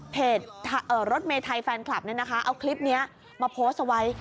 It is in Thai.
รถเมไทยแฟนคลับเนี่ยนะคะเอาคลิปนี้มาโพสต์เอาไว้